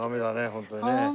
ホントに。